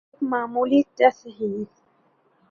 ایک معمولی تصحیح